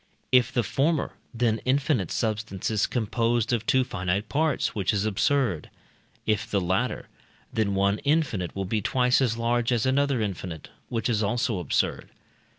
If the former, then infinite substance is composed of two finite parts, which is absurd. If the latter, then one infinite will be twice as large as another infinite, which is also absurd.